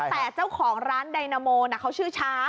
แต่เจ้าของร้านไดนาโมเขาชื่อช้า